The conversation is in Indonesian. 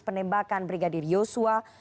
penembakan brigadir yosua